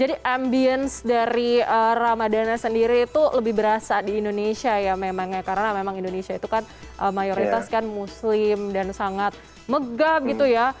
jadi ambience dari ramadana sendiri itu lebih berasa di indonesia ya memangnya karena memang indonesia itu kan mayoritas kan muslim dan sangat megang gitu ya